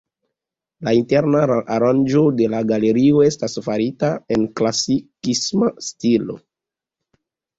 La interna aranĝo de la galerioj estas farita en klasikisma stilo.